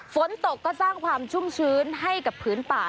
ฝนตกก็สร้างความชุ่มชื้นให้กับพื้นป่า